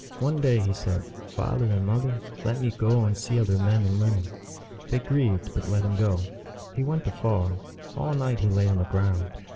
One day he said, " Father and mother, let me go and see other men and women." They grieved, but let him go. He went afar. All night he lay on the ground.